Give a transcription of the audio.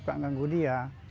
jadi dia menganggung dia